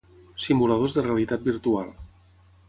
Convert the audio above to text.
simuladors de realitat virtual